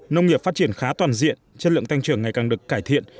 nông nghiệp phát triển khá toàn diện chất lượng tăng trưởng ngày càng được cải thiện